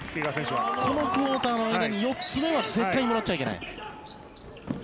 このクオーターの間に４つ目は絶対にもらっちゃいけない。